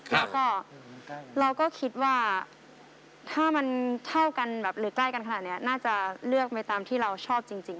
แล้วก็เราก็คิดว่าถ้ามันเท่ากันแบบหรือใกล้กันขนาดนี้น่าจะเลือกไปตามที่เราชอบจริง